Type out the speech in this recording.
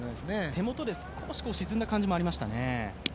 手元で少し沈んだ感じもありましたね。